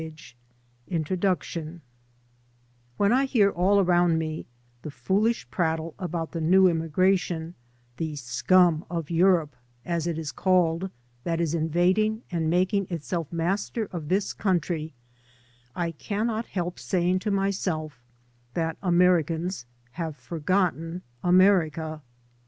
136 INTRODUCTION ¥ X THEN I hear all around me the focdish pnittle W about the new immigration — "the scum of Europe/' as it is called — ^that is invading and making itself master of this country, I cannot help saying to myself that Americans have forgotten America.